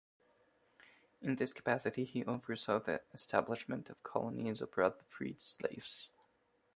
In this capacity he oversaw the establishment of colonies abroad for freed slaves.